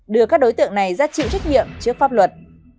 đưa các đối tượng này ra chịu trách nhiệm trước pháp luật